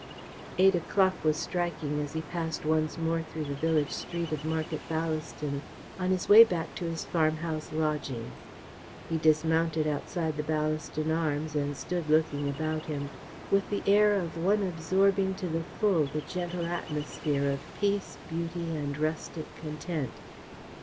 Eight o'clock was striking as he passed once more through the village street of Market Ballaston on his way back to his farmhouse lodgings. He dismounted outside the Ballaston Arms and stood looking about him with the air of one absorbing to the full the gentle atmosphere of peace, beauty and rustic content.